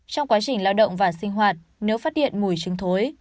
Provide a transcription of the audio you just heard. trong quá trình lao động và sinh hoạt nếu phát điện mùi chứng thối